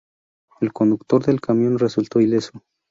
El conductor del camión resultó ileso.